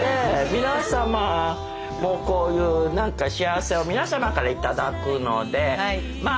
皆様もこういうなんか幸せを皆様から頂くのでまあ